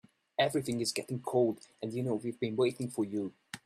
Everything's getting cold and you know we've been waiting for you.